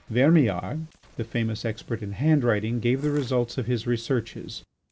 Vermillard, the famous expert in handwriting, gave the results of his researches.